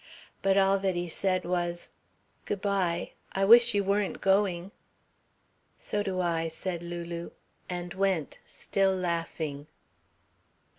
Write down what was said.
But all that he said was: "Good bye. I wish you weren't going." "So do I," said Lulu, and went, still laughing.